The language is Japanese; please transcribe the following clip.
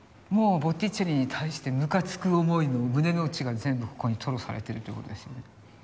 もうボッティチェリに対してむかつく思いの胸の内が全部ここに吐露されてるという事ですよね。